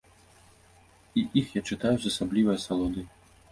І іх я чытаю з асаблівай асалодай.